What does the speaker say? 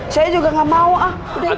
saya juga gak mau ah